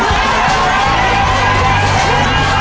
อีกครั้งเดี๋ยว